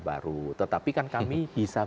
baru tetapi kan kami bisa